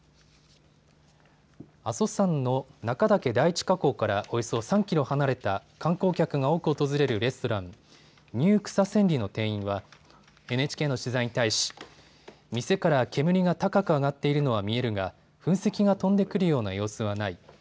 阿蘇山の中岳第一火口からおよそ３キロ離れた観光客が多く訪れるレストラン、ニュー草千里の店員はＮＨＫの取材に対し店から煙が高く上がっているのは見えるが噴石が飛んでくるような様子はない。